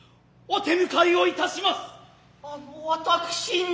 あの私に。